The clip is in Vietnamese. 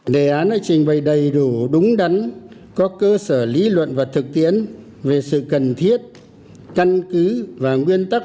đề án đã trình bày đầy đủ đúng đắn có cơ sở lý luận và thực tiễn về sự cần thiết căn cứ và nguyên tắc